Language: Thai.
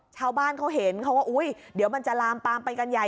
ชาวบ้านเขาเห็นเขาก็อุ๊ยเดี๋ยวมันจะลามปามไปกันใหญ่